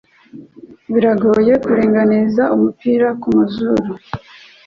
Biragoye kuringaniza umupira kumazuru.